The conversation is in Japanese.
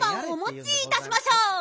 おもちいたしましょう。